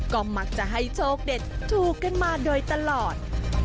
ก็มักจะให้โชคเด็ดถูกกันมาโดยตลอด